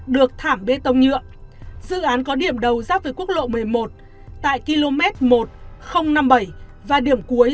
được thảm bê tông nhựa dự án có điểm đầu ráp về quốc lộ một mươi một tại km một năm mươi bảy và điểm cuối